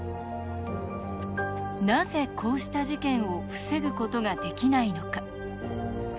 なぜ、こうした事件を防ぐことができないのか？